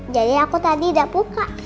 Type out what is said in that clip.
jadi aku tadi udah buka